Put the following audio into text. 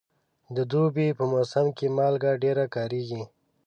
د دوبي په موسم کې مالګه ډېره کارېږي.